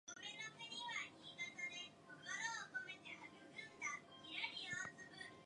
The album became Parliament's fourth consecutive gold album and second platinum album.